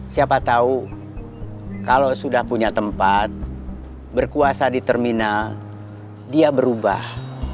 siapa tahu kalau sudah punya tempat berkuasa di terminal dia berubah